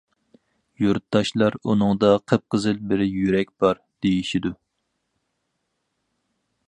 يۇرتداشلار ئۇنىڭدا قىپقىزىل بىر يۈرەك بار، دېيىشىدۇ.